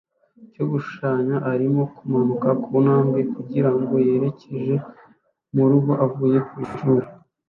cyo gushushanya arimo kumanuka kuntambwe kugirango yerekeje murugo avuye kwishuri